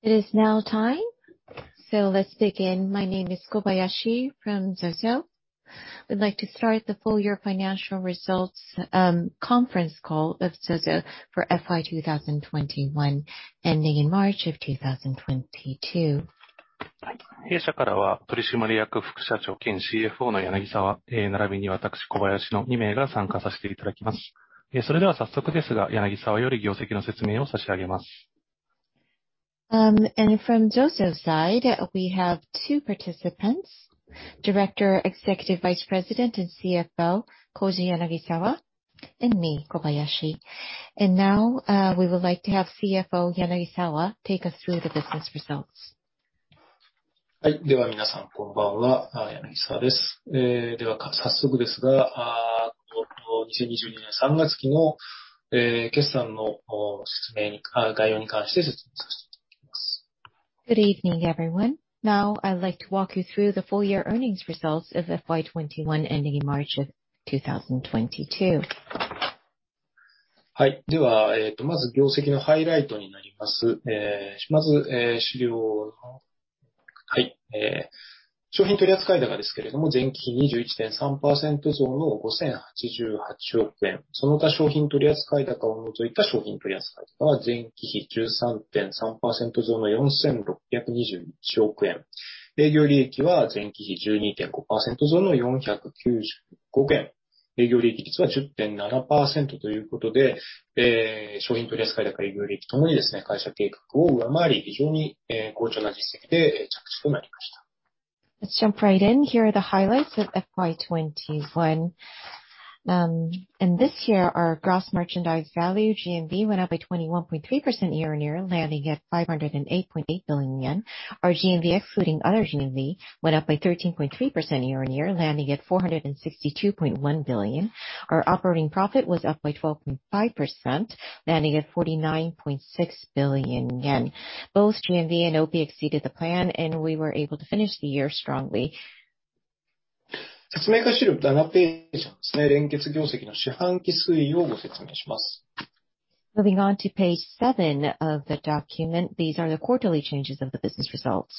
It is now time, so let's begin. My name is Kobayashi from ZOZO. We'd like to start the full year financial results conference call of ZOZO for FY 2021 ending in March of 2022. From ZOZO's side, we have two participants, Director, Executive Vice President and CFO Koji Yanagisawa and me, Kobayashi. Now, we would like to have CFO Yanagisawa take us through the business results. Good evening, everyone. Now I'd like to walk you through the full year earnings results of FY 2021 ending in March 2022. Let's jump right in. Here are the highlights of FY 2021. This year, our gross merchandise value, GMV, went up by 21.3% year-on-year, landing at 508.8 billion yen. Our GMV, excluding other GMV, went up by 13.3% year-on-year, landing at 462.1 billion. Our operating profit was up by 12.5%, landing at 49.6 billion yen. Both GMV and OP exceeded the plan, and we were able to finish the year strongly. Moving on to page 7 of the document. These are the quarterly changes of the business results.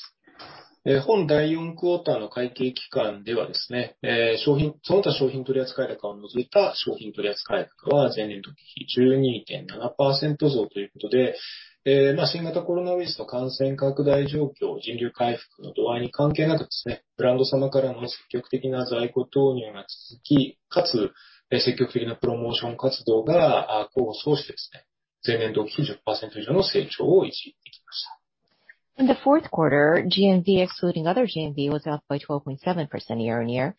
In the fourth quarter, GMV excluding other GMV was up by 12.7% year-on-year.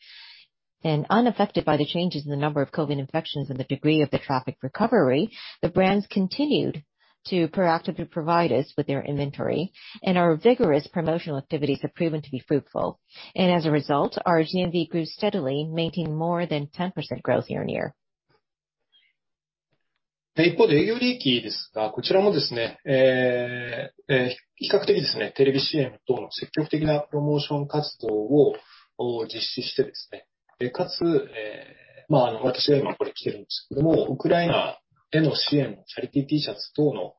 Unaffected by the changes in the number of COVID infections and the degree of the traffic recovery, the brands continued to proactively provide us with their inventory,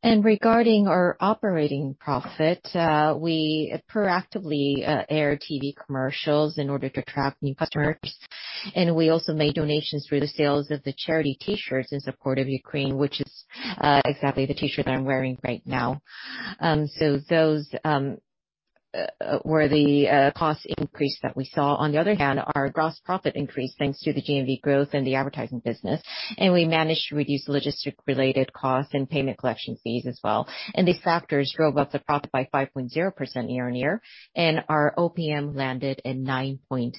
and our vigorous promotional activities have proven to be fruitful. As a result, our GMV grew steadily, maintaining more than 10% growth year-on-year. Regarding our operating profit, we proactively aired TV commercials in order to attract new customers. We also made donations through the sales of the charity T-shirts in support of Ukraine, which is exactly the T-shirt that I'm wearing right now. Those were the cost increases that we saw. On the other hand, our gross profit increased thanks to the GMV growth and the advertising business, and we managed to reduce logistics-related costs and payment collection fees as well. These factors drove up the profit by 5.0% year-on-year, and our OPM landed at 9.0%.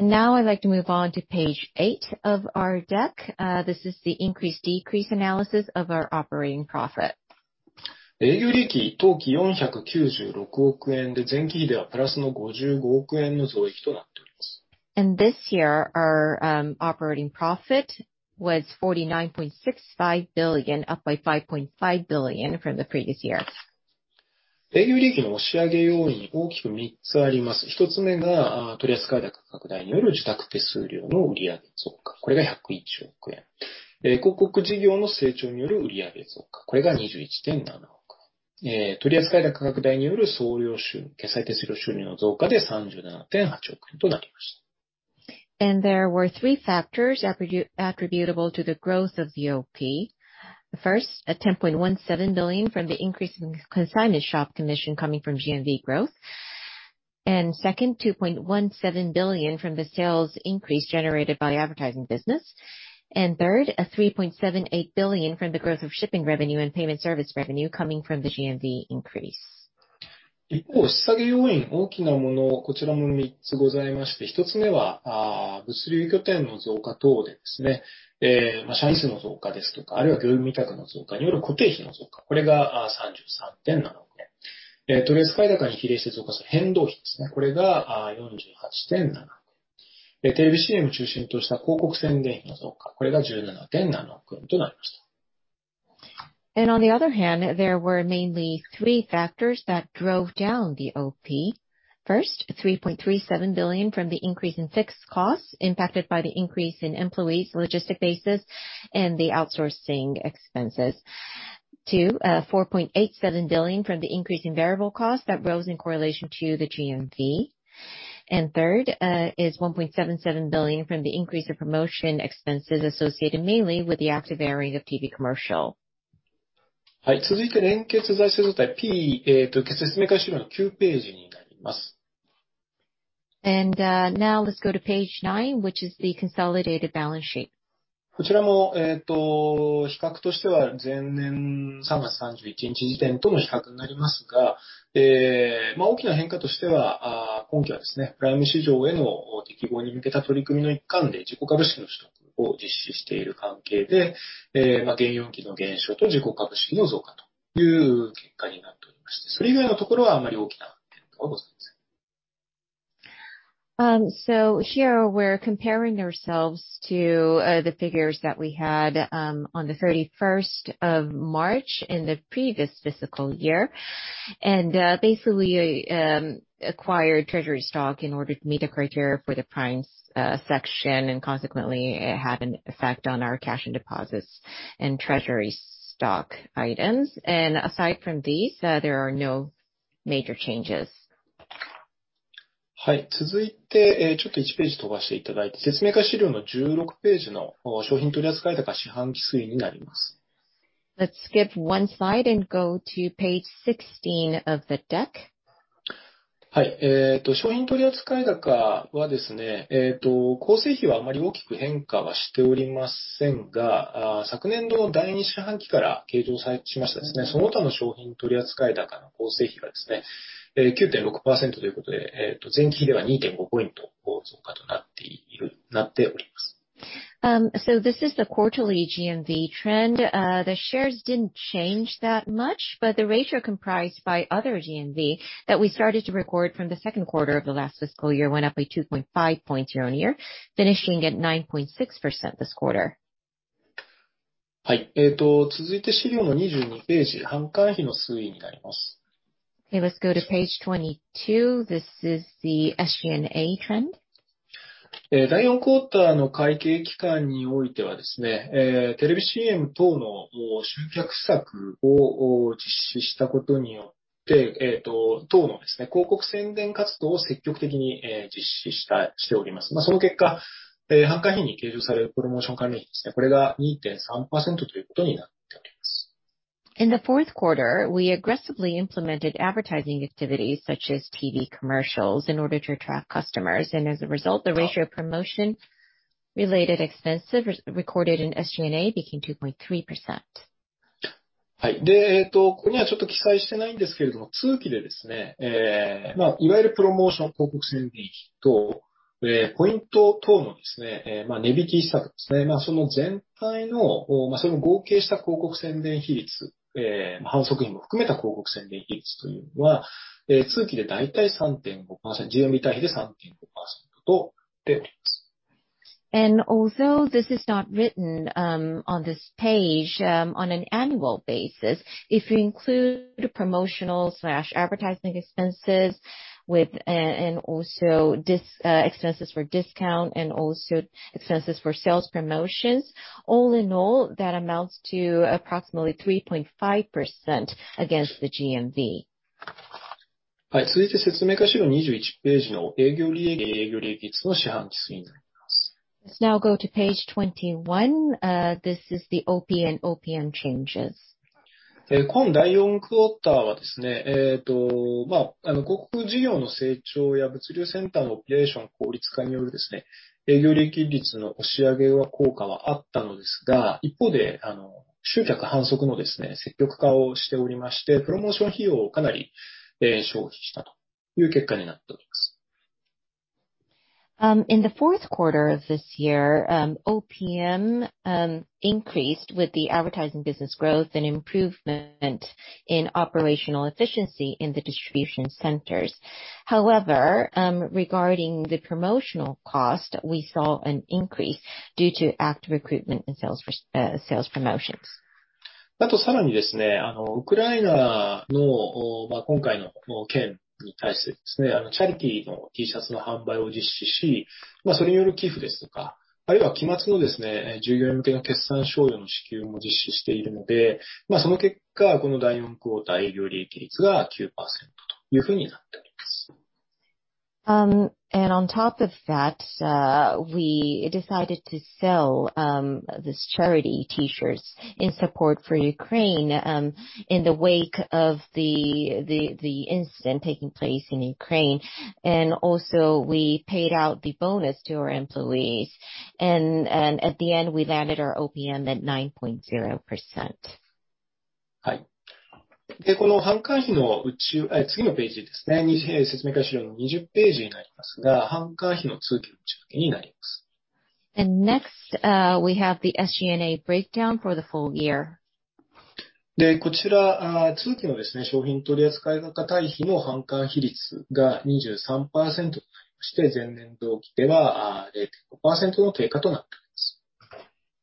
Now I'd like to move on to page 8 of our deck. This is the increase-decrease analysis of our operating profit. This year, our operating profit was 49.65 billion, up by 5.5 billion from the previous year. There were three factors attributable to the growth of the OP. First, 10.17 billion from the increase in consignment shop commission coming from GMV growth. Second, 2.17 billion from the sales increase generated by the advertising business. Third, 3.78 billion from the growth of shipping revenue and payment service revenue coming from the GMV increase. On the other hand, there were mainly three factors that drove down the OP. First, 3.37 billion from the increase in fixed costs impacted by the increase in employees, logistic bases and the outsourcing expenses. Two, 4.87 billion from the increase in variable costs that rose in correlation to the GMV. Third is 1.77 billion from the increase of promotion expenses associated mainly with the active airing of TV commercial. はい、続いて連結財政状態、説明資料の9ページになります。Now let's go to page 9, which is the consolidated balance sheet. こちらも、比較としては前年三月三十一日時点との比較になりますが、大きな変化としては、今期はですね、プライム市場への適合に向けた取り組みの一環で自己株式の取得を実施している関係で、現預金の減少と自己株式の増加という結果になっておりまして、それ以外のところはあまり大きな変化はございません。Here we're comparing ourselves to the figures that we had on the 31st of March in the previous fiscal year. Basically acquired treasury stock in order to meet the criteria for the Prime section and consequently had an effect on our cash and deposits and treasury stock items. Aside from these, there are no major changes. 続いて、ちょっと一ページ飛ばしていただいて、説明資料の16ページの商品取り扱い高四半期推移になります。Let's skip 1 slide and go to page 16 of the deck. This is the quarterly GMV trend. The shares didn't change that much, but the ratio comprised by other GMV that we started to record from the second quarter of the last fiscal year went up by 2.5 points year-on-year, finishing at 9.6% this quarter. はい、続いて資料の22ページ、販管費の推移になります。Okay, let's go to page 22. This is the SG&A trend. 第四クオーターの会計期間においてはですね、テレビCM等の集客策を実施したことによって、等のですね、広告宣伝活動を積極的に実施しております。その結果、販管費に計上されるプロモーション関連費ですね、これが2.3%ということになっております。In the fourth quarter, we aggressively implemented advertising activities such as TV commercials in order to attract customers. As a result, the ratio of promotion related expenses recorded in SG&A became 2.3%. ここには記載していないんですけれども、通期でですね、いわゆるプロモーション、広告宣伝費と、ポイント等のですね、値引き施策ですね、その全体の、その合計した広告宣伝費率、販促費も含めた広告宣伝費率というのは、通期で大体3.5%、GMV対比で3.5%となっております。Although this is not written on this page, on an annual basis, if you include promotional/advertising expenses with and also expenses for discount and also expenses for sales promotions. All in all, that amounts to approximately 3.5% against the GMV. はい、続いて説明資料21ページの営業利益、営業利益率の四半期推移になります。Let's now go to page 21. This is the OP and OPM changes. 今第四クオーターはですね、広告事業の成長や物流センターのオペレーション効率化によるですね、営業利益率の押し上げ効果はあったのですが、一方で、集客販促のですね、積極化をしておりまして、プロモーション費用をかなり消費したという結果になっております。In the fourth quarter of this year, OPM increased with the advertising business growth and improvement in operational efficiency in the distribution centers. However, regarding the promotional cost, we saw an increase due to active recruitment and sales for sales promotions. さらにですね、ウクライナの今回の件に対してですね、チャリティーのTシャツの販売を実施し、それによる寄付ですとか、あるいは期末のですね、従業員向けの決算賞与の支給も実施しているので、その結果、この第四クオーター営業利益率が9%というふうになっております。On top of that, we decided to sell this charity T-shirts in support for Ukraine, in the wake of the incident taking place in Ukraine. Also, we paid out the bonus to our employees. At the end, we landed our OPM at 9.0%. で、この販管費のうち、次のページですね。説明資料の20ページになりますが、販管費の通期内訳になります。Next, we have the SG&A breakdown for the full year. こちら、通期の商品取り扱い高対比の販管費率が23%となりまして、前年同期では、0.5%の低下となっております。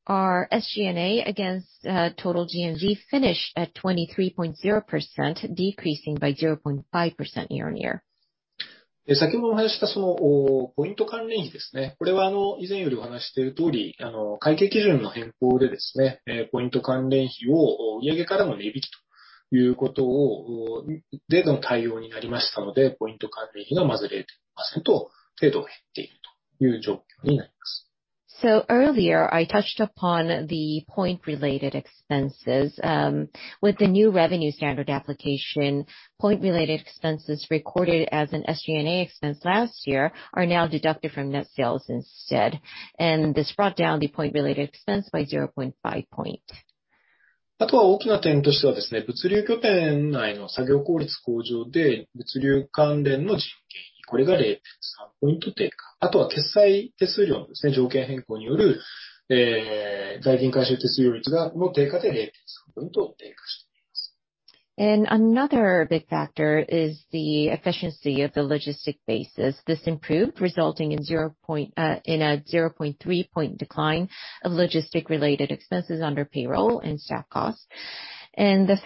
Our SG&A against total GMV finished at 23.0%, decreasing by 0.5% year-on-year. 先ほどお話しした、ポイント関連費ですね。これは、以前よりお話ししている通り、会計基準の変更でですね、ポイント関連費を、売上からの値引きということでの対応になりましたので、ポイント関連費がまず0.5%程度減っているという状況になります。Earlier, I touched upon the point related expenses. With the new revenue standard application, point related expenses recorded as an SG&A expense last year are now deducted from net sales instead. This brought down the point related expense by 0.5 point. あとは大きな点としてはですね、物流拠点内の作業効率向上で物流関連の人件費、これが0.3ポイント低下。あとは決済手数料のですね、条件変更による、代金回収手数料率が、も低下で0.3ポイント低下しております。Another big factor is the efficiency of the logistics basis. This improved, resulting in a 0.3-point decline of logistics-related expenses under payroll and staff costs. The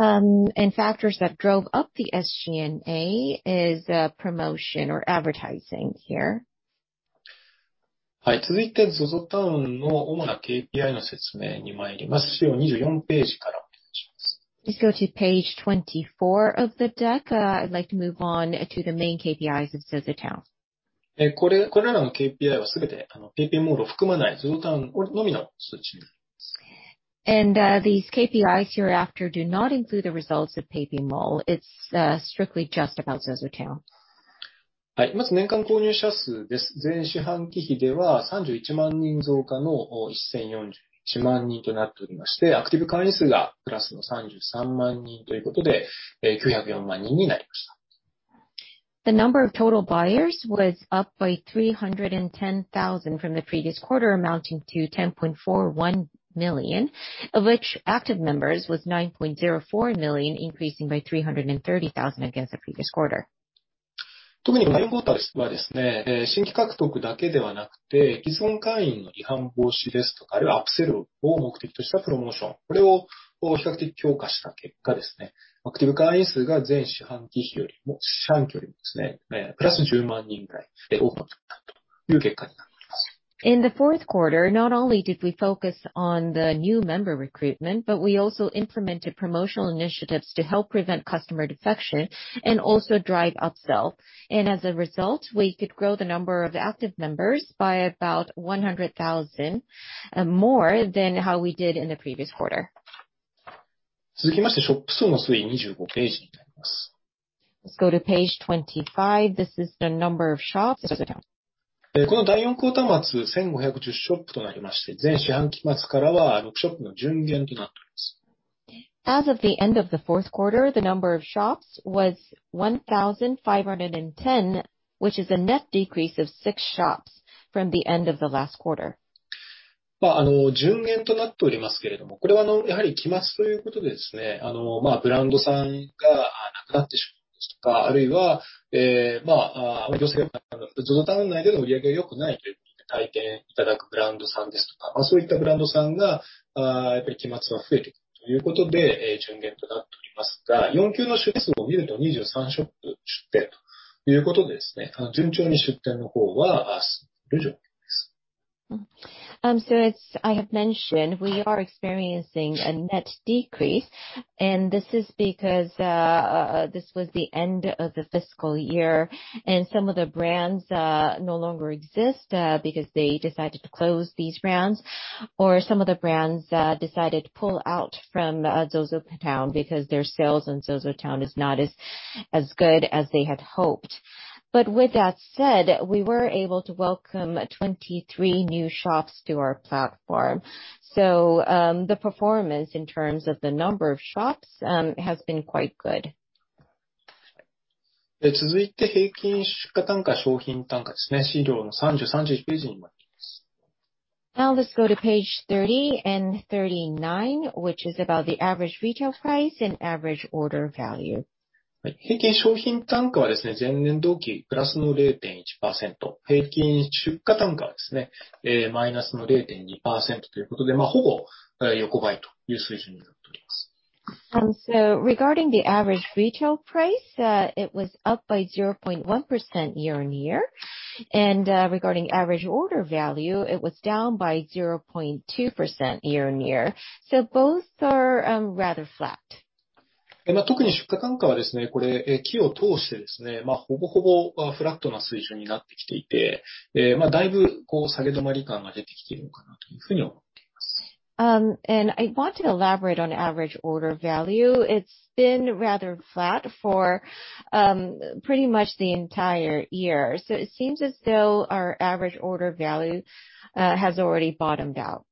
third one is the payment collection fee. This one decreased by another 0.3-point, due to the fact that we changed our payment collection company. 販管費率の上昇要因は、広告宣伝費ですね。ここが0.6ポイント上昇となっております。Factors that drove up the SG&A is promotion or advertising here. はい。続いてZOZOTOWNの主なKPIの説明に参ります。資料24ページからお願いいたします。Please go to page 24 of the deck. I'd like to move on to the main KPIs of ZOZOTOWN. これらのKPIはすべて、PayPayモールを含まないZOZOTOWNのみの数値になります。These KPIs hereafter do not include the results of PayPay Mall. It's strictly just about ZOZOTOWN. はい。まず年間購入者数です。前四半期比では31万人増加の1,041万人となっておりまして、アクティブ会員数がプラスの33万人ということで、え、904万人になりました。The number of total buyers was up by 310,000 from the previous quarter, amounting to 10.41 million, of which active members was 9.04 million, increasing by 330,000 against the previous quarter. 特に四半期ではですね、新規獲得だけではなくて、既存会員の離反防止ですとか、あるいはアップセルを目的としたプロモーション、これを比較的強化した結果ですね、アクティブ会員数が前四半期比よりも、四半期よりもですね、プラス10万人ぐらいで終わったという結果になっています。In the fourth quarter, not only did we focus on the new member recruitment, but we also implemented promotional initiatives to help prevent customer defection and also drive upsell. As a result, we could grow the number of active members by about 100,000 more than how we did in the previous quarter. 続きまして、ショップ数の推移、25ページになります。Let's go to page 25. This is the number of shops at ZOZOTOWN. この第4四半期末、1,510ショップとなりまして、前四半期末からは6ショップの純減となっております。As of the end of the fourth quarter, the number of shops was 1,510, which is a net decrease of 6 shops from the end of the last quarter. As I have mentioned, we are experiencing a net decrease, and this is because this was the end of the fiscal year, and some of the brands no longer exist because they decided to close these brands. Some of the brands decided to pull out from ZOZOTOWN because their sales in ZOZOTOWN is not as good as they had hoped. With that said, we were able to welcome 23 new shops to our platform. The performance in terms of the number of shops has been quite good. 続いて平均出荷単価、商品単価ですね。資料の30、31ページにまいります。Now let's go to page 30 and 39, which is about the average retail price and average order value. はい。平均商品単価はですね、前年同期プラスの0.1%。平均出荷単価はですね、マイナスの0.2%ということで、ほぼ横ばいという水準になっております。Regarding the average retail price, it was up by 0.1% year-on-year. Regarding average order value, it was down by 0.2% year-on-year. Both are rather flat. 特に出荷単価はですね、これ期を通してですね、ほぼほぼフラットな水準になってきていて、だいぶこう下げ止まり感が出てきているのかなというふうに思っています。I want to elaborate on average order value. It's been rather flat for, pretty much the entire year. It seems as though our average order value has already bottomed out.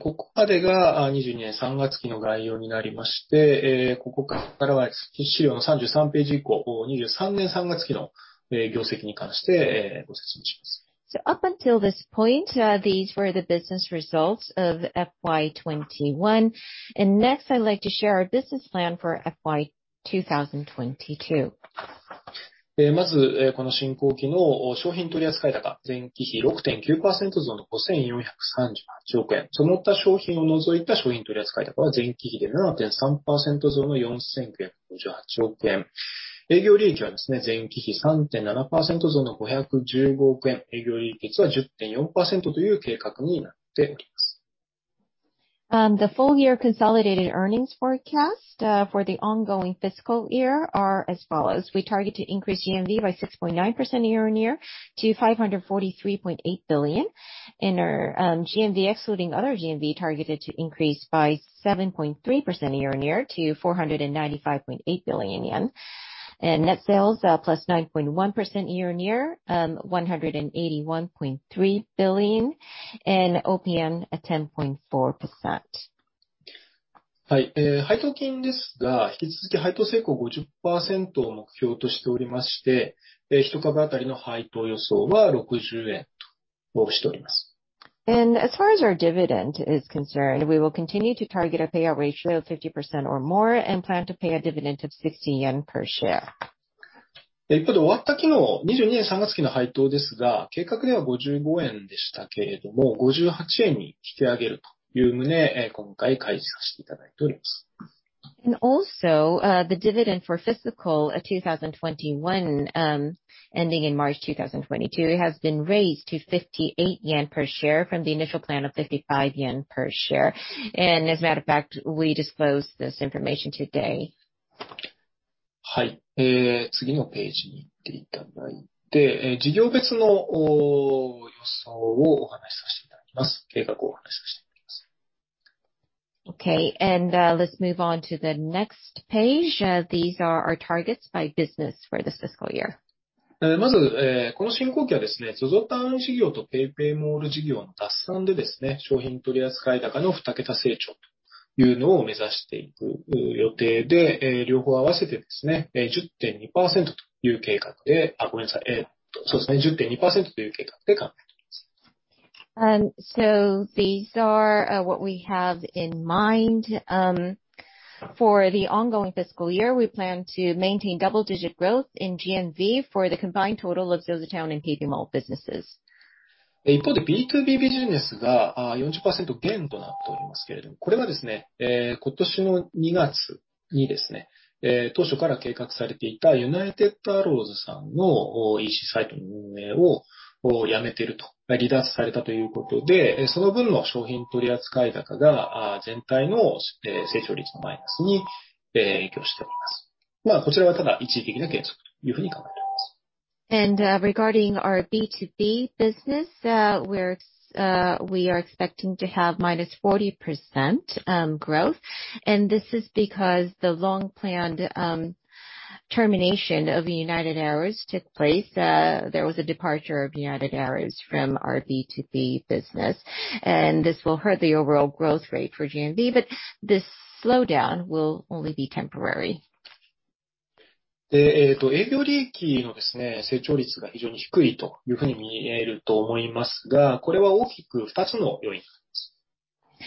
ここまでが2022年3月期の概要になりまして、ここからは資料の33ページ以降、2023年3月期の業績に関して、ご説明します。Up until this point, these were the business results of FY21. Next, I'd like to share our business plan for FY2022. The full year consolidated earnings forecast for the ongoing fiscal year are as follows. We target to increase GMV by 6.9% year-on-year to 543.8 billion, and our GMV excluding other GMV targeted to increase by 7.3% year-on-year to 495.8 billion yen. Net sales are plus 9.1% year-on-year, one hundred and eighty one point three billion and OPM at 10.4%. はい。配当金ですが、引き続き配当性向50%を目標としておりまして、一株当たりの配当予想は60円と申しております。As far as our dividend is concerned, we will continue to target a payout ratio of 50% or more and plan to pay a dividend of JPY 60 per share. 一方で終わった期の2022年3月期の配当ですが、計画では55円でしたけれども、58円に引き上げるという旨、今回開示させていただいております。The dividend for fiscal 2021 ending in March 2022 has been raised to JPY 58 per share from the initial plan of JPY 55 per share. As a matter of fact, we disclosed this information today. 次のページに行っていただいて、事業別の予想をお話しさせていただきます。計画をお話しさせていただきます。Okay. Let's move on to the next page. These are our targets by business for this fiscal year. まず、この進行期はですね、ZOZOTOWN事業とPayPayモール事業の合算でですね、商品取り扱い高の二桁成長というのを目指していく予定で、両方合わせてですね、10.2%という計画で考えております。These are what we have in mind for the ongoing fiscal year. We plan to maintain double-digit growth in GMV for the combined total of ZOZOTOWN and PayPay Mall businesses. 一方でBtoBビジネスが、40%減となっておりますけれども、これはですね、今年の2月にですね、当初から計画されていたUnited ArrowsさんのECサイトの運営をやめていると。離脱されたということで、その分の商品取り扱い高が、全体の成長率のマイナスに、影響しております。こちらはただ一時的な減速というふうに考えております。Regarding our BtoB business, we are expecting to have -40% growth. This is because the long planned termination of United Arrows took place. There was a departure of United Arrows from our BtoB business,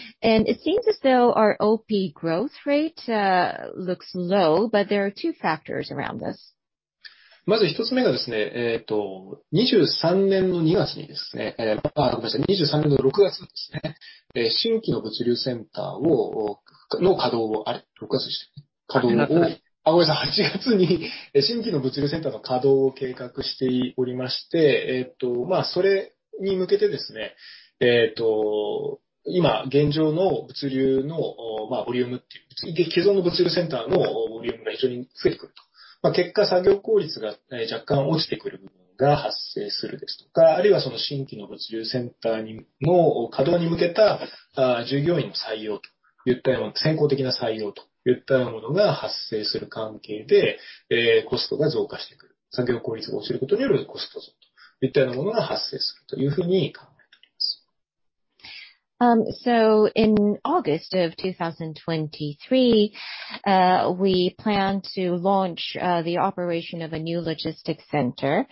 and this will hurt the overall growth rate for GMV. This slowdown will only be temporary. 営業利益の成長率が非常に低いというふうに見えると思いますが、これは大きく二つの要因があります。It seems as though our OP growth rate looks low. There are two factors around this. In August of 2023, we plan to launch the operation of a new logistics center.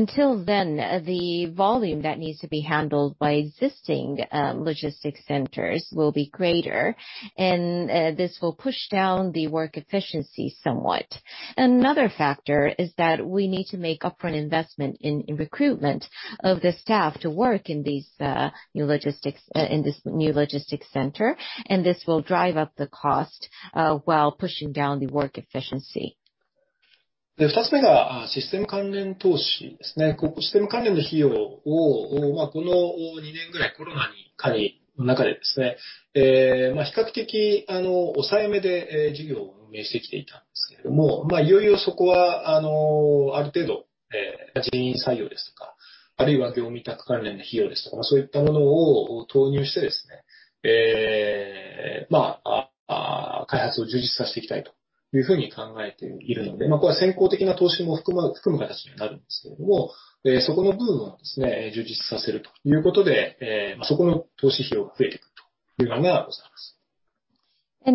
Until then, the volume that needs to be handled by existing logistics centers will be greater. This will push down the work efficiency somewhat. Another factor is that we need to make upfront investment in recruitment of the staff to work in this new logistics center. This will drive up the cost while pushing down the work efficiency.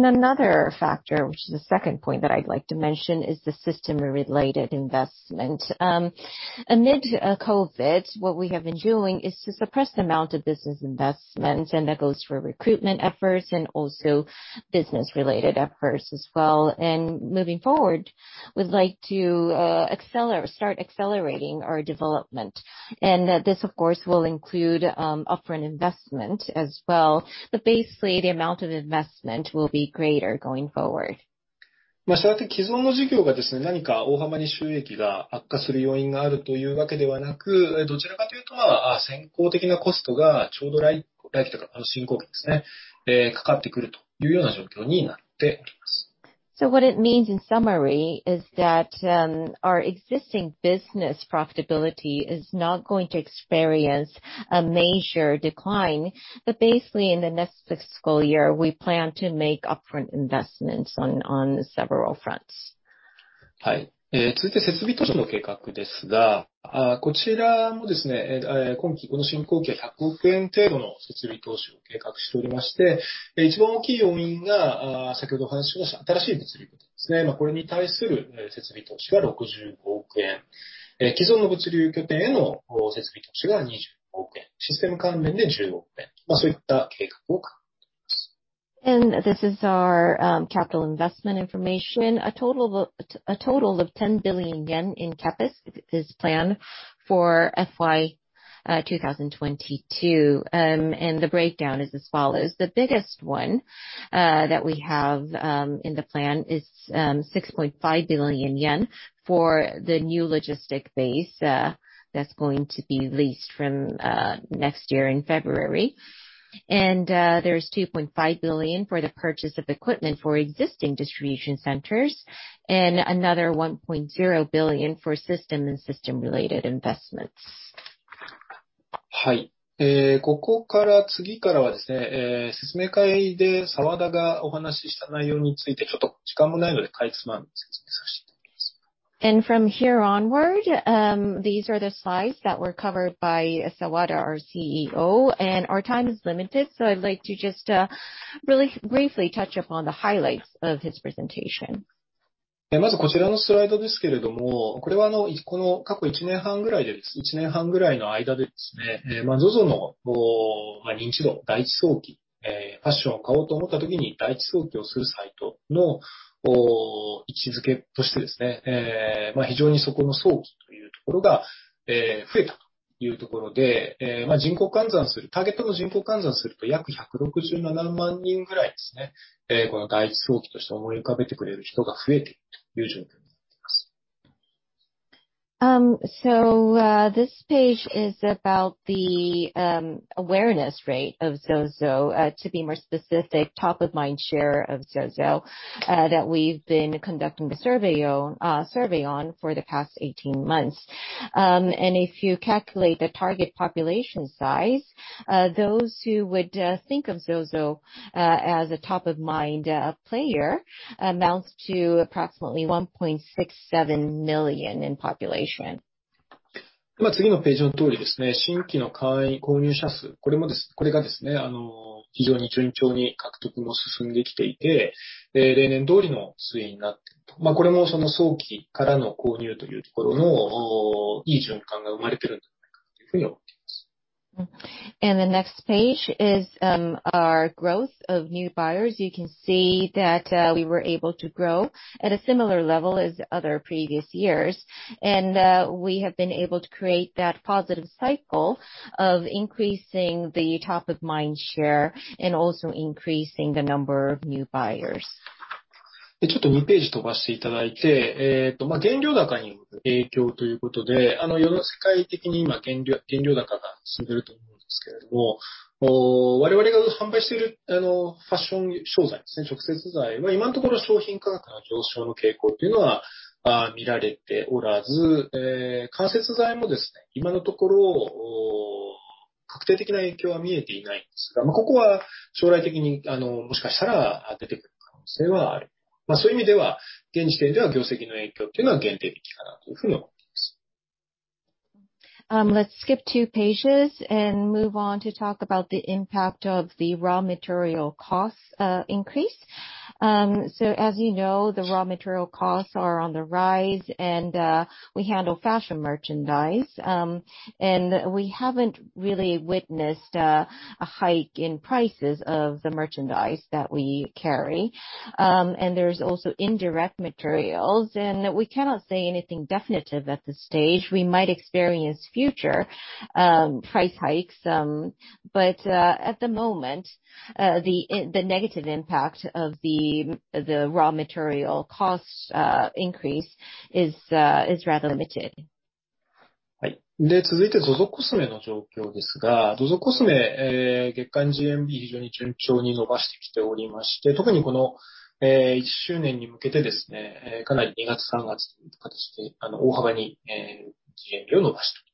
Another factor, which is the second point that I'd like to mention, is the system related investment. Amid COVID, what we have been doing is to suppress the amount of business investments, and that goes for recruitment efforts and also business related efforts as well. Moving forward, we'd like to start accelerating our development. This of course will include upfront investment as well. Basically the amount of investment will be greater going forward. したがって既存の事業がですね、何か大幅に収益が悪化する要因があるというわけではなく、どちらかというと、先行的なコストがちょうど来期とか新工期ですね、かかってくるというような状況になっております。What it means in summary is that, our existing business profitability is not going to experience a major decline. Basically in the next fiscal year, we plan to make upfront investments on several fronts. This is our capital investment information. A total of ten billion yen in CapEx is planned for FY 2022. The breakdown is as follows. The biggest one that we have in the plan is 6.5 billion yen for the new logistics base that's going to be leased from next year in February. There's 2.5 billion for the purchase of equipment for existing distribution centers and another 1.0 billion for system-related investments. ここから次からはですね、説明会で澤田がお話しした内容について、ちょっと時間もないのでかいつまんで説明させていただきます。From here onward, these are the slides that were covered by Sawada, our CEO. Our time is limited. I'd like to just, really briefly touch upon the highlights of his presentation. This page is about the awareness rate of ZOZO. To be more specific, top of mind share of ZOZO that we've been conducting the survey on for the past 18 months. If you calculate the target population size, those who would think of ZOZO as a top of mind player amounts to approximately 1.67 million in population. The next page is our growth of new buyers. You can see that we were able to grow at a similar level as other previous years, and we have been able to create that positive cycle of increasing the top of mind share and also increasing the number of new buyers. Let's skip two pages and move on to talk about the impact of the raw material costs increase. As you know, the raw material costs are on the rise. We handle fashion merchandise. We haven't really witnessed a hike in prices of the merchandise that we carry. There's also indirect materials, and we cannot say anything definitive at this stage. We might experience future price hikes. At the moment, the negative impact of the raw material cost increase is rather limited. 続いてZOZOCOSMEの状況ですが、ZOZOCOSME、月間GMV非常に順調に伸ばしてきておりまして、特にこの一周年に向けてですね、かなり二月、三月と形で大幅にGMVを伸ばしております。Let's move on to talk about ZOZOCOSME. Our monthly GMV has been growing steadily for ZOZOCOSME, especially when we celebrated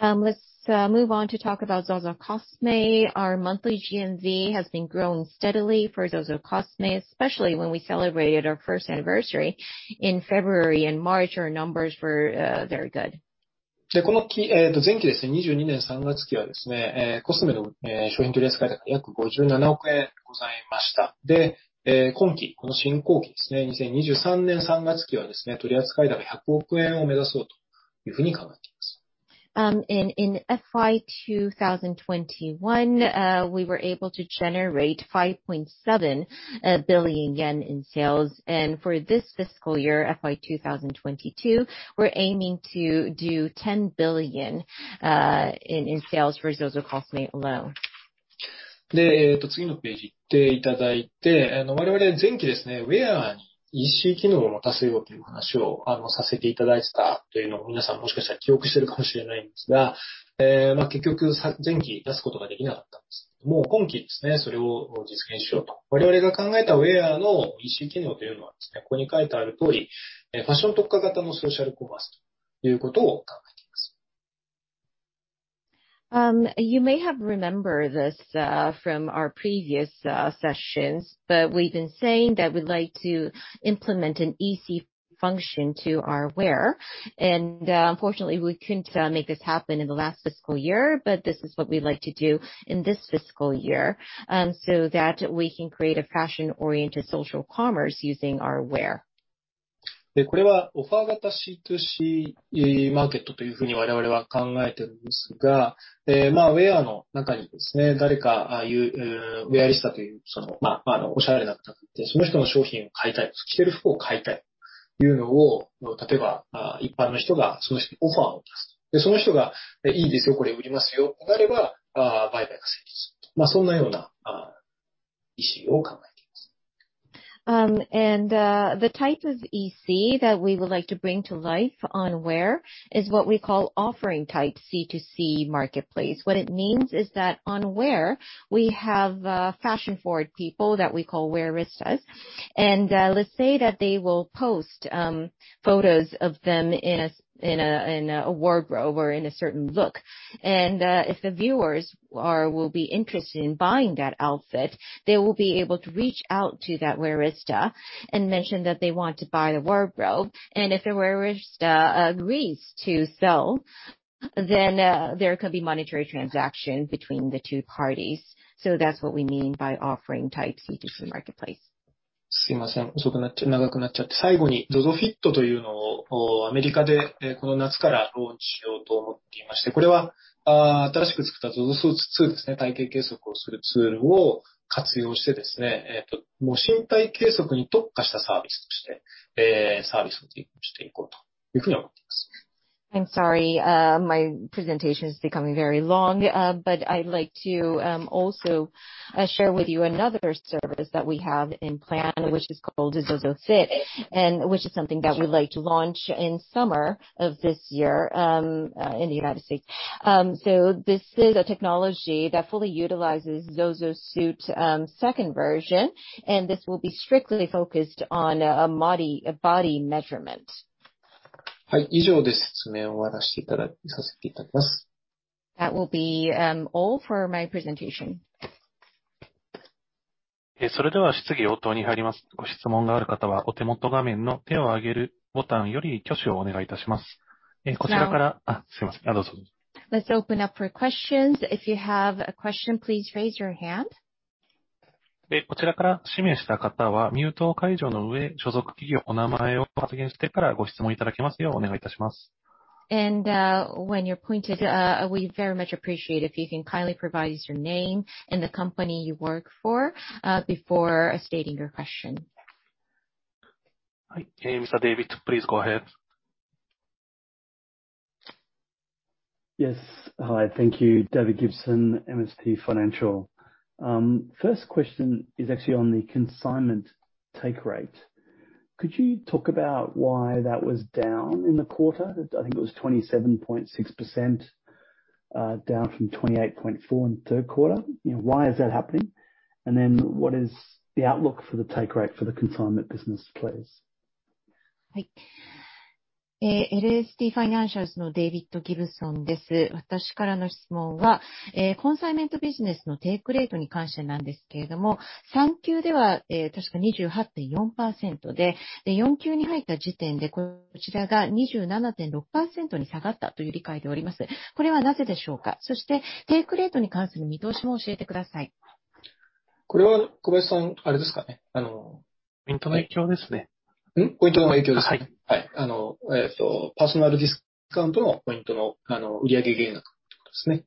our first anniversary in February and March. Our numbers were very good. この期、前期ですね。2022年3月期はですね、ZOZOCOSMEの商品取り扱い高約57億円ございました。今期、この新後期ですね。2023年3月期はですね、取り扱い高100億円を目指そうというふうに考えています。In FY 2021, we were able to generate 5.7 billion yen in sales. For this fiscal year, FY 2022, we're aiming to do JPY 10 billion in sales for ZOZOCOSME alone. You may have remembered this from our previous sessions, but we've been saying that we'd like to implement an EC function to our WEAR. Unfortunately, we couldn't make this happen in the last fiscal year. This is what we'd like to do in this fiscal year, so that we can create a fashion oriented social commerce using our WEAR. The type of EC that we would like to bring to life on WEAR is what we call offering type CtoC marketplace. What it means is that on WEAR, we have fashion forward people that we call WEARISTAs. Let's say that they will post photos of them in a wardrobe or in a certain look. If the viewers will be interested in buying that outfit, they will be able to reach out to that WEARISTA and mention that they want to buy the wardrobe. If the WEARISTA agrees to sell, then there could be monetary transaction between the two parties. That's what we mean by offering type CtoC marketplace. すいません。遅くなって長くなっちゃって。最後にZOZOFITというのを、アメリカで、この夏からローンチしようと思っていまして。これは、新しく作ったZOZOSUIT 2ですね。体型計測をするツールを活用してですね、もう身体計測に特化したサービスとして、サービスを提供していこうというふうに思っています。I'm sorry, my presentation is becoming very long. I'd like to also share with you another service that we have in plan, which is called ZOZOFIT, and which is something that we'd like to launch in summer of this year, in the United States. This is a technology that fully utilizes ZOZOSUIT, second version. This will be strictly focused on body measurement. 以上で説明を終わらせていただきます。That will be all for my presentation. それでは質疑応答に入ります。ご質問がある方は、お手元画面の手を上げるボタンより挙手をお願いいたします。こちらから...。すいません。どうぞ。Let's open up for questions. If you have a question, please raise your hand. こちらから指名した方はミュート解除の上、所属企業、お名前を発言してからご質問いただけますようお願いいたします。When you're prompted, we very much appreciate if you can kindly provide us your name and the company you work for, before stating your question. Hi. Mr. David, please go ahead. Yes. Hi. Thank you. David Gibson, MST Financial. First question is actually on the consignment take rate. Could you talk about why that was down in the quarter? I think it was 27.6%, down from 28.4% in third quarter. You know, why is that happening? Then what is the outlook for the take rate for the consignment business, please? MST Financial の David Gibson です。私からの質問は、コンサイメントビジネスのテイクレートに関してなんですけれども、三期では確か28.4%で、四期に入った時点でこちらが27.6%に下がったという理解でおります。これはなぜでしょうか？そして、テイクレートに関する見通しも教えてください。これは小林さん、あれですか、あの... ポイントの影響ですね。ポイントの影響ですね。パーソナルディスカウントのポイントの、売上減ってことですね。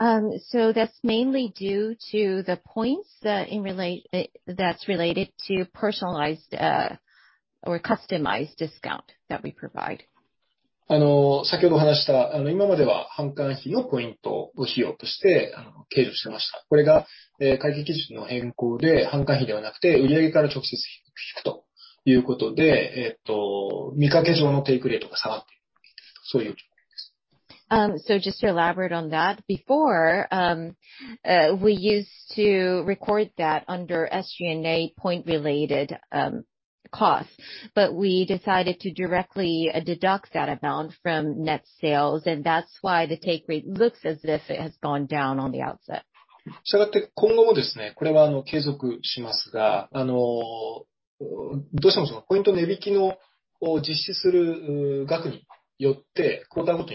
That's mainly due to the points that's related to personalized, or customized discount that we provide. 先ほど話した、今までは販管費のポイントを費用として計上していました。これが、会計基準の変更で販管費ではなく、売上から直接引くということで、見かけ上のテイクレートが下がっていると、そういうことです。Just to elaborate on that, before we used to record that under SG&A-related costs. We decided to directly deduct that amount from net sales, and that's why the take rate looks as if it has gone down at the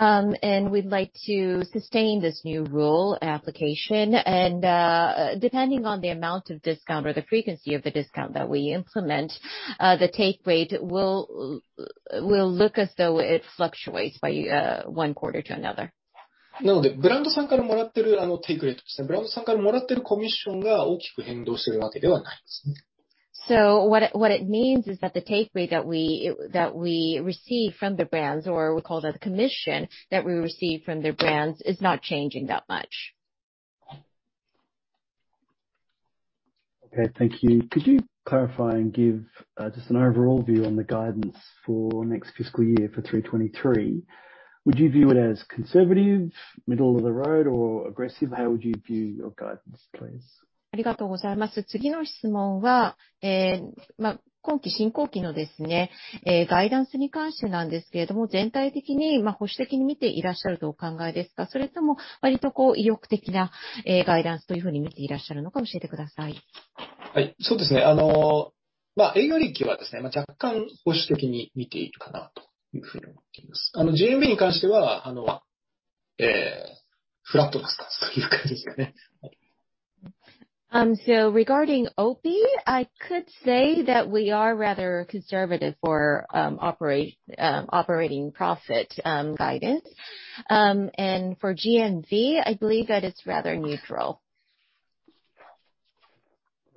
outset. We'd like to sustain this new rule application and, depending on the amount of discount or the frequency of the discount that we implement, the take rate will look as though it fluctuates from one quarter to another. What it means is that the take rate that we receive from the brands, or we call that commission that we receive from the brands, is not changing that much. Okay, thank you. Could you clarify and give just an overall view on the guidance for next fiscal year for 2023? Would you view it as conservative, middle of the road or aggressive? How would you view your guidance, please? Regarding OP, I could say that we are rather conservative for operating profit guidance. For GMV, I believe that it's rather neutral.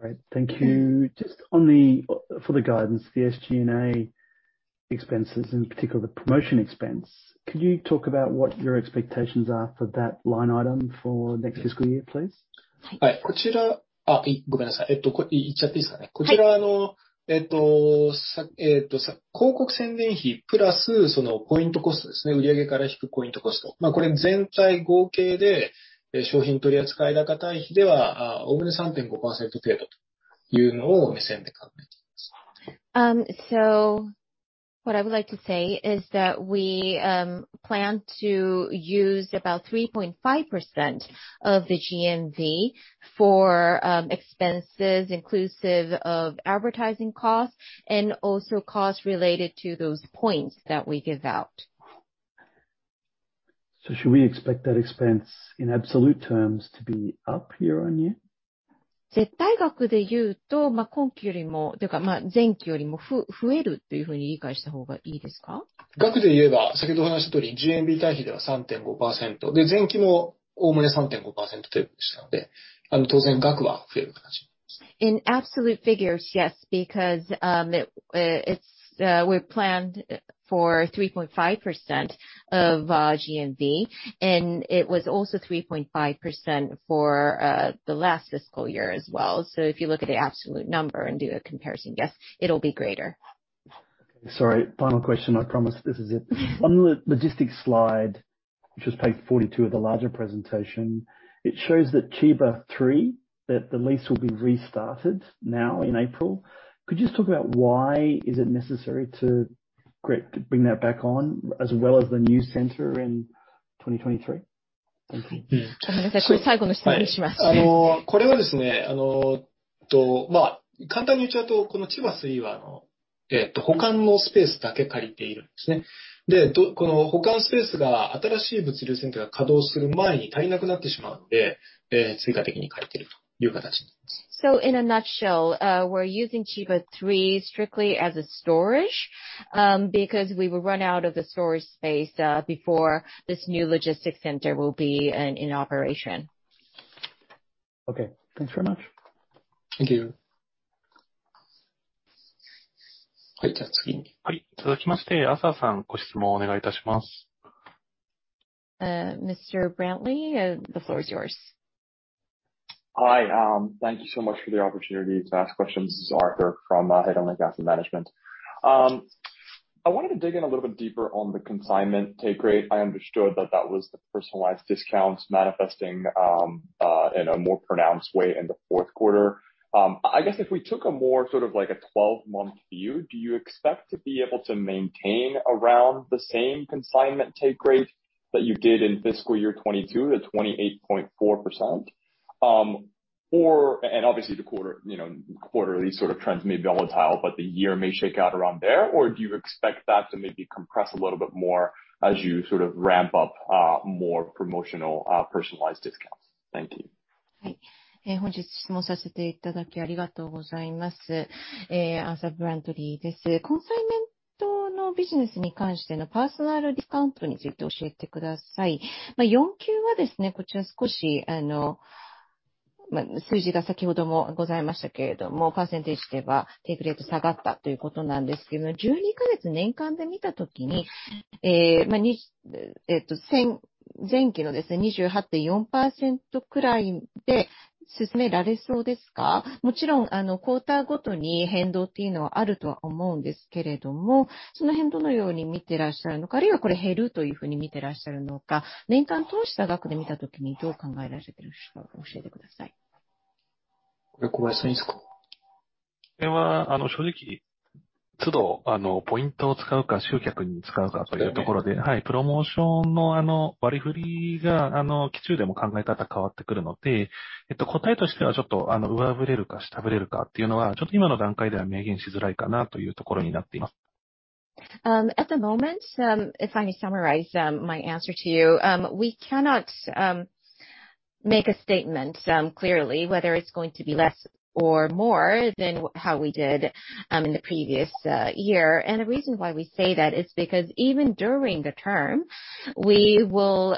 All right. Thank you. Just on the, for the guidance, the SG&A expenses, in particular the promotion expense, could you talk about what your expectations are for that line item for next fiscal year, please? What I would like to say is that we plan to use about 3.5% of the GMV for expenses inclusive of advertising costs and also costs related to those points that we give out. Should we expect that expense in absolute terms to be up year on year? In absolute figures, yes, because we planned for 3.5% of GMV, and it was also 3.5% for the last fiscal year as well. If you look at the absolute number and do a comparison, yes, it'll be greater. Okay. Sorry. Final question, I promise this is it. On the logistics slide, which is page 42 of the larger presentation, it shows that Chiba 3, that the lease will be restarted now in April. Could you just talk about why is it necessary to bring that back on as well as the new center in 2023? Thank you. In a nutshell, we're using Chiba 3 strictly as a storage because we will run out of the storage space before this new logistics center will be in operation. Okay. Thanks very much. Thank you. Mr. Brantley, the floor is yours. Hi. Thank you so much for the opportunity to ask questions. This is Arthur from Hedosophia. I wanted to dig in a little bit deeper on the consignment take rate. I understood that that was the personalized discounts manifesting in a more pronounced way in the fourth quarter. I guess if we took a more sort of like a twelve-month view, do you expect to be able to maintain around the same consignment take rate that you did in fiscal year 2022 to 28.4%? Or obviously the quarter, you know, quarterly sort of trends may be volatile, but the year may shake out around there. Or do you expect that to maybe compress a little bit more as you sort of ramp up more promotional personalized discounts? Thank you. 前期のですね、28.4%くらいで進められそうですか。もちろん、クオーターごとに変動というのはあるとは思うんですけれども、その辺どのように見てらっしゃるのか、あるいはこれ減るというふうに見てらっしゃるのか、年間通した額で見たときにどう考えられているのか教えてください。これ、小林さんですか。At the moment, if I may summarize my answer to you, we cannot make a statement clearly whether it's going to be less or more than how we did in the previous year. The reason why we say that is because even during the term, we will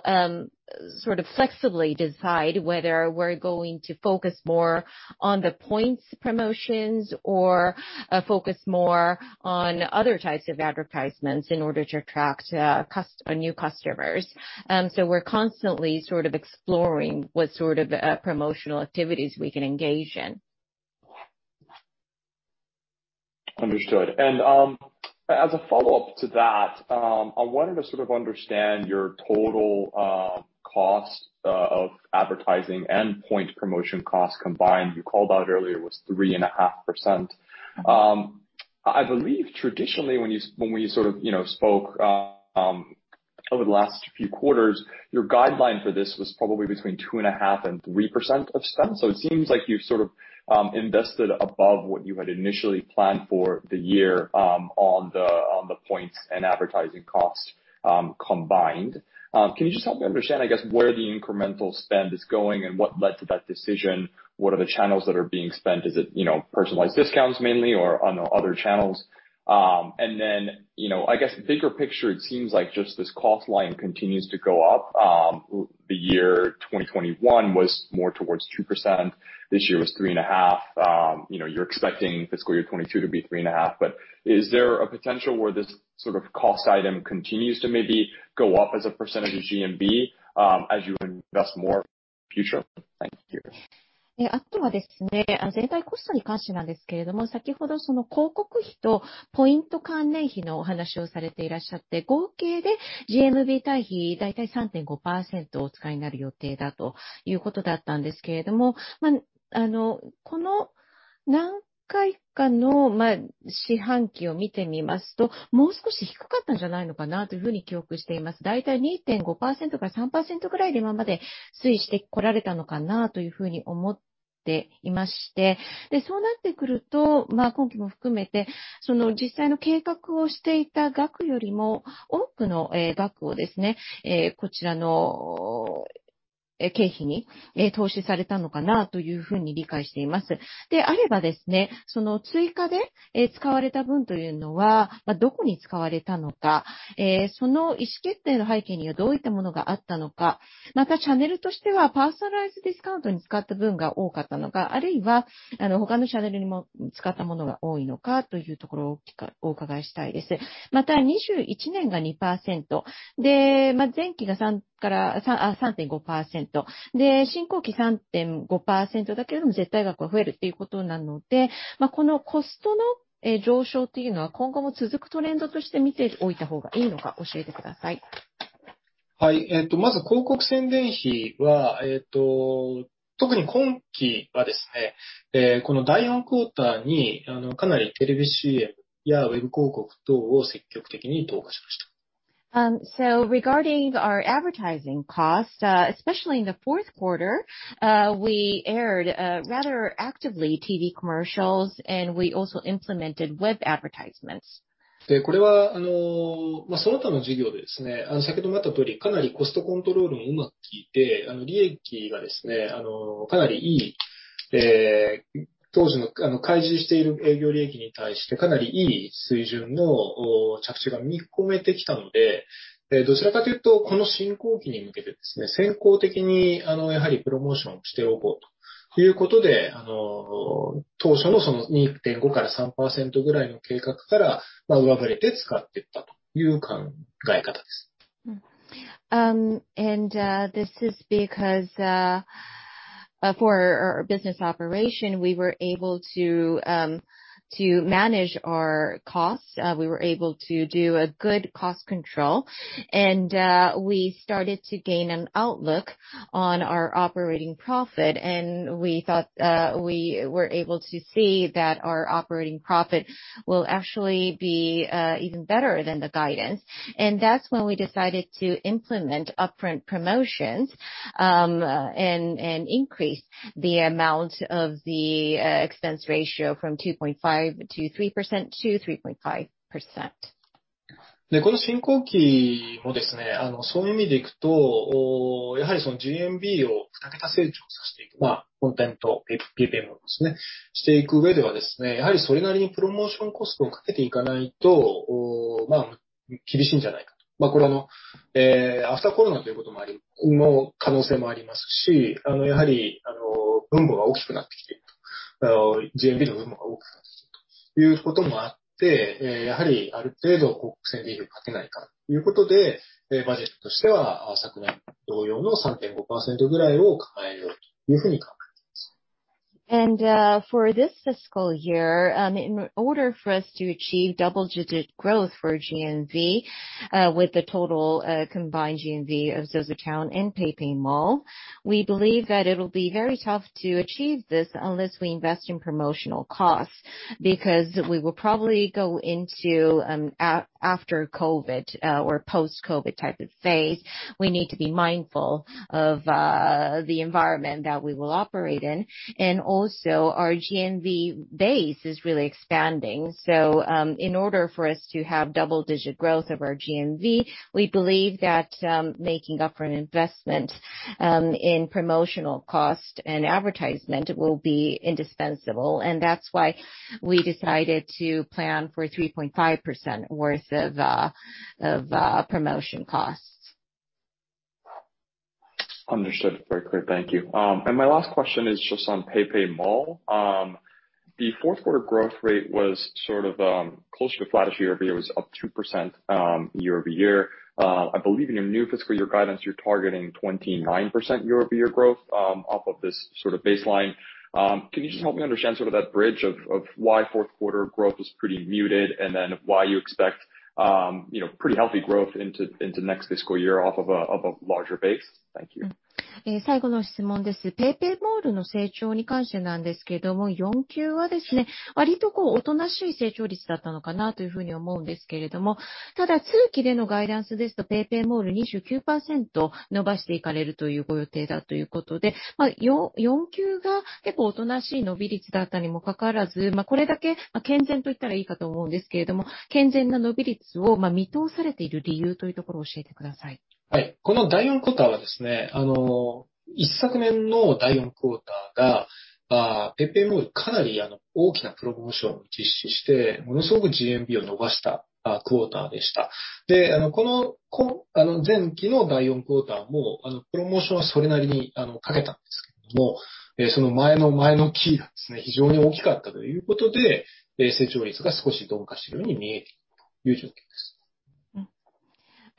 sort of flexibly decide whether we're going to focus more on the points promotions or focus more on other types of advertisements in order to attract new customers. We're constantly sort of exploring what sort of promotional activities we can engage in. Understood. As a follow up to that, I wanted to sort of understand your total cost of advertising and point promotion costs combined. You called out earlier was 3.5%. I believe traditionally when we sort of, you know, spoke over the last few quarters, your guideline for this was probably between 2.5% and 3% of spend. It seems like you've sort of invested above what you had initially planned for the year. On the points and advertising costs combined. Can you just help me understand, I guess, where the incremental spend is going and what led to that decision? What are the channels that are being spent? Is it, you know, personalized discounts mainly or on other channels? Then, you know, I guess the bigger picture, it seems like just this cost line continues to go up. The year 2021 was more towards 2%. This year was 3.5%. You know, you're expecting fiscal year 2022 to be 3.5%. Is there a potential where this sort of cost item continues to maybe go up as a percentage of GMV, as you invest more in the future? Thank you. Regarding our advertising costs, especially in the fourth quarter, we aired rather actively TV commercials, and we also implemented web advertisements. これは、その他の事業でですね、先ほどもあったとおり、かなりコストコントロールもうまくいって、利益がですね、かなりいい、当時の開示している営業利益に対してかなりいい水準の着地が見込めてきたので、どちらかというとこの進行期に向けてですね、先行的にやはりプロモーションをしておこうということで、当初のその2.5から3%ぐらいの計画から上振れて使っていったという考え方です。This is because for our business operation, we were able to manage our costs. We were able to do a good cost control, and we started to gain an outlook on our operating profit. We thought we were able to see that our operating profit will actually be even better than the guidance. That's when we decided to implement upfront promotions, and increase the amount of the expense ratio from to 3% to 3.5%. この進行期もですね、そういう意味でいくと、やはりそのGMVを二桁成長させていく、まあコンテンツPPMをですね、していく上ではですね、やはりそれなりにプロモーションコストをかけていかないと、まあ厳しいんじゃないかと。これは、アフターコロナということもあり、の可能性もありますし、やはり分母が大きくなってきていると。GMVの分母が大きくなっている。ことも あって、やはりある程度広告宣伝費をかけないかということで、バジェットとしては昨年同様の3.5%ぐらいを考えようというふうに考えています。For this fiscal year, in order for us to achieve double-digit growth for GMV with the total combined GMV of ZOZOTOWN and PayPay Mall, we believe that it will be very tough to achieve this unless we invest in promotional costs, because we will probably go into after COVID or post-COVID type of phase. We need to be mindful of the environment that we will operate in and also our GMV base is really expanding. In order for us to have double-digit growth of our GMV, we believe that making up for an investment in promotional cost and advertisement will be indispensable. That's why we decided to plan for 3.5% worth of promotion costs. Understood. Very clear. Thank you. My last question is just on PayPay Mall. The fourth quarter growth rate was sort of close to flat year-over-year. It was up 2% year-over-year. I believe in your new fiscal year guidance, you're targeting 29% year-over-year growth off of this sort of baseline. Can you just help me understand sort of that bridge of why fourth quarter growth was pretty muted and then why you expect you know, pretty healthy growth into next fiscal year off of a larger base? Thank you.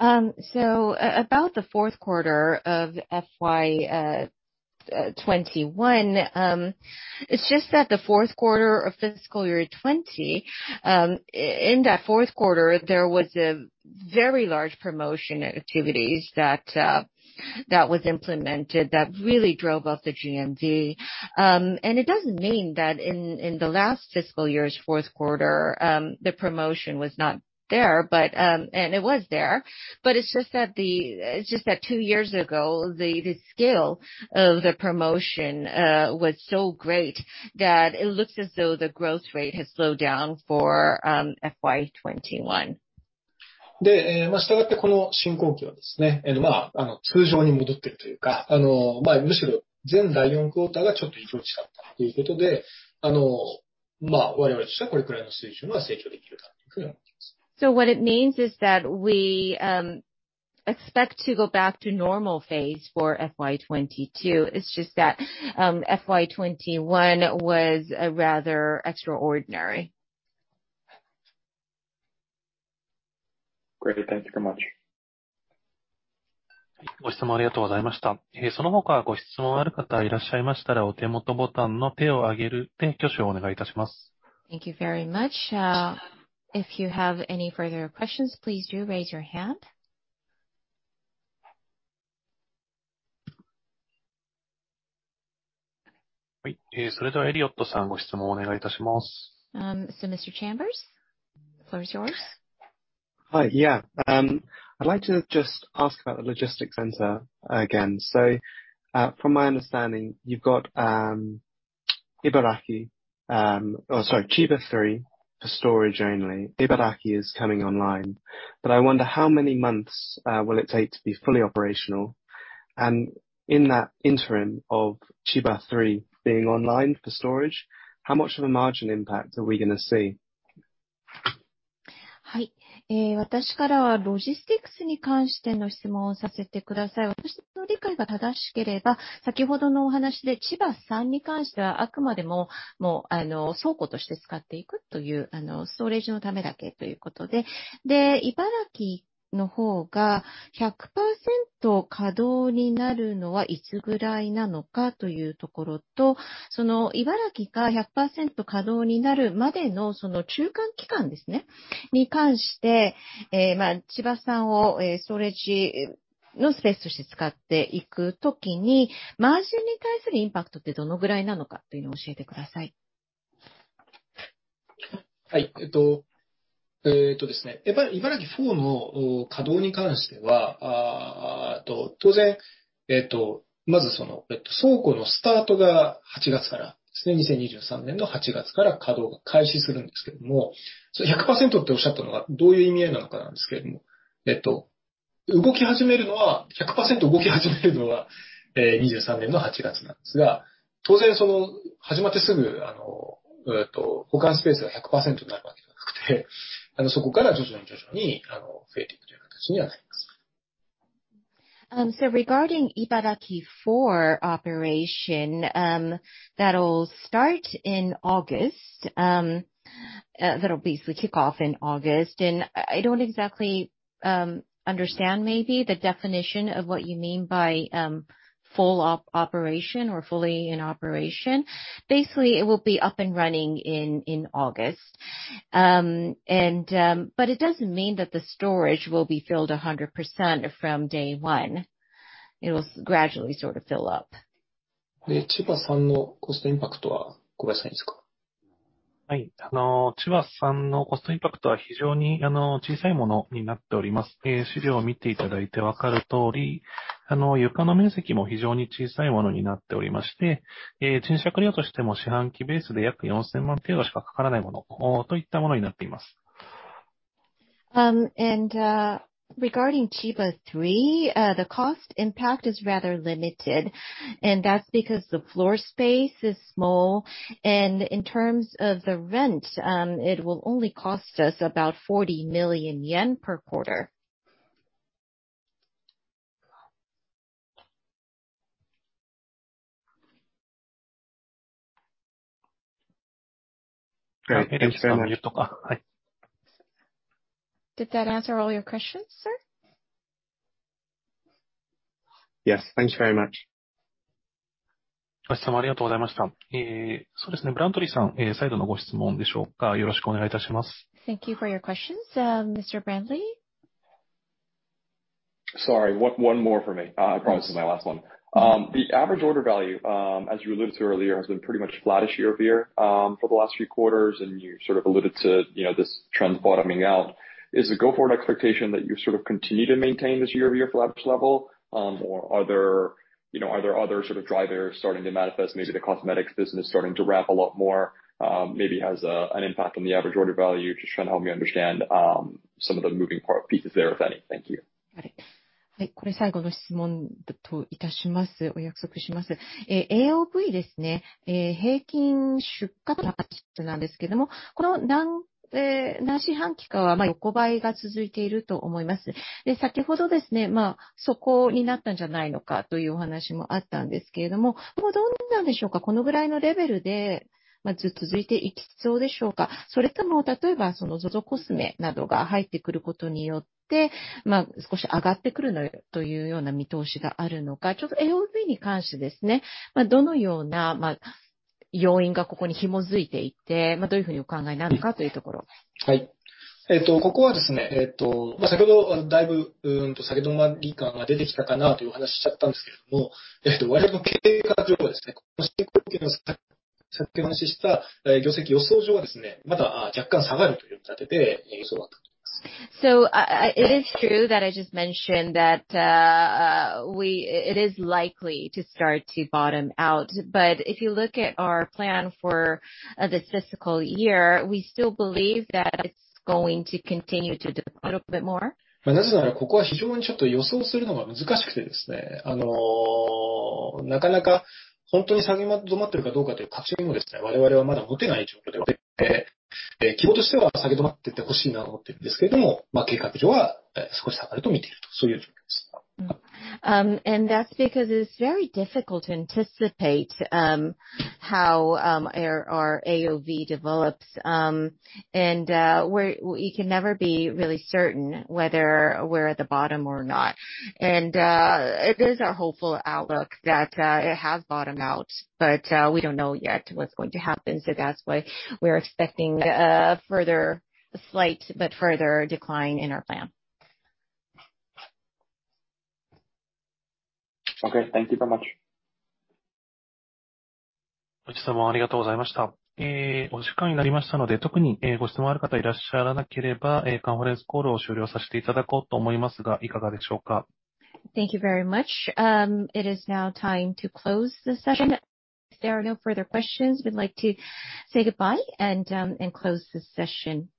About the fourth quarter of FY 2021, it's just that the fourth quarter of fiscal year 2020. In that fourth quarter, there was a very large promotional activities that was implemented that really drove up the GMV. It doesn't mean that in the last fiscal year's fourth quarter, the promotion was not there, but it was there. It's just that two years ago, the scale of the promotion was so great that it looks as though the growth rate has slowed down for FY 2021. 従って、この進行期はですね、通常に戻っているというか、むしろ前第四クオーターがちょっと異常値だったということで、我々としてはこれくらいの水準は成長できるかというふうに思っています。What it means is that we expect to go back to normal phase for FY 2022. It's just that FY 2021 was a rather extraordinary. Great. Thank you very much. ご質問ありがとうございました。その他ご質問ある方いらっしゃいましたら、お手元ボタンの手を上げるで挙手をお願いいたします。Thank you very much. If you have any further questions, please do raise your hand. はい。それではエリオットさん、ご質問をお願いいたします。Mr. Chambers, the floor is yours. Hi. Yeah. I'd like to just ask about the logistics center again. From my understanding, you've got Chiba 3 for storage only. Ibaraki is coming online, but I wonder how many months will it take to be fully operational? In that interim of Chiba 3 being online for storage, how much of a margin impact are we going to see? Regarding Ibaraki 4 operation, that'll start in August. That'll basically kick off in August. I don't exactly understand maybe the definition of what you mean by full operation or fully in operation. Basically, it will be up and running in August. It doesn't mean that the storage will be filled 100% from day one. It will gradually sort of fill up. Regarding Chiba 3, the cost impact is rather limited. That's because the floor space is small. In terms of the rent, it will only cost us about 40 million yen per quarter. Did that answer all your questions, sir? Yes. Thank you very much. Thank you for your questions. Mr. Brantley. Sorry, one more for me. I promise it's my last one. The average order value, as you alluded to earlier, has been pretty much flattish year-over-year, for the last few quarters. You sort of alluded to, you know, this trend bottoming out. Is the go-forward expectation that you sort of continue to maintain this year-over-year flat-ish level? Or are there, you know, are there other sort of drivers starting to manifest? Maybe the cosmetics business starting to ramp a lot more, maybe has an impact on the average order value. Just trying to help me understand some of the moving parts there, if any. Thank you. It is true that I just mentioned that it is likely to start to bottom out. If you look at our plan for the fiscal year, we still believe that it's going to continue to dip a little bit more. That's because it's very difficult to anticipate how our AOV develops. We can never be really certain whether we're at the bottom or not. It is our hopeful outlook that it has bottomed out, but we don't know yet what's going to happen. That's why we're expecting further slight but further decline in our plan. Okay. Thank you very much. Thank you very much. It is now time to close the session. If there are no further questions, we'd like to say goodbye and close this session.